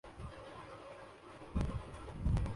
بالآخر ہوا۔